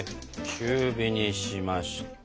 中火にしまして。